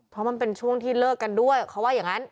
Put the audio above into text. เพราะมันเป็นช่วงที่เลิกกันด้วยเขาว่าอย่างนั้น